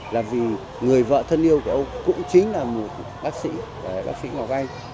là vì người vợ thân yêu của ông cũng chính là một bác sĩ bác sĩ ngọc anh